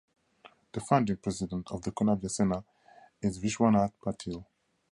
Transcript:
The founding president of the Kunabi Sena is Vishwanath Patil.